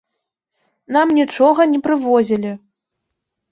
Нам нічога не прывозілі.